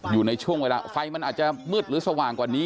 อยู่ในช่วงเวลาไฟมันอาจจะมืดหรือสว่างกว่านี้